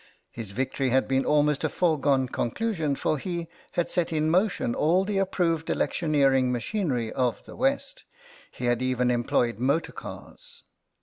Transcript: His victory had been almost a foregone conclusion, for he had set in motion all the approved electioneering machinery of the West. He had even employed motor cars.